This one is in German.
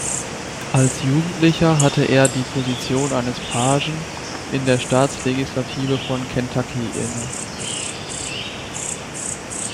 Als Jugendlicher hatte er die Position eines Pagen in der Staatslegislative von Kentucky inne.